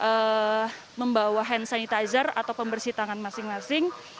untuk membawa hand sanitizer atau pembersih tangan masing masing